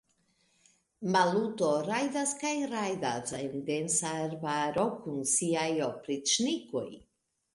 Maluto rajdas kaj rajdas en densa arbaro kun siaj opriĉnikoj.